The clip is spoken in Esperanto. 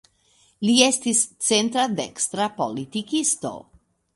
Li estis centra-dekstra politikisto.